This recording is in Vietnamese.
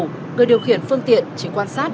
người điều khiển phương tiện chỉ quan sát